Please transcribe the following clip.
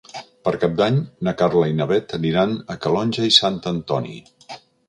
Per Cap d'Any na Carla i na Bet aniran a Calonge i Sant Antoni.